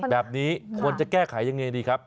แบบนี้ควรจะแก้ไขยังไงดีครับ